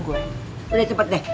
udah cepet deh